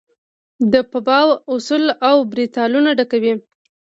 د افباؤ اصول اوربیتالونه ډکوي.